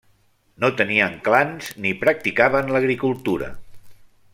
No tenien clans ni practicaven l'agricultura.